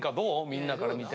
みんなから見て。